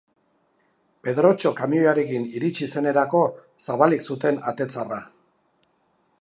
Pedrotxo kamioiarekin iritsi zenerako zabalik zuten atetzarra.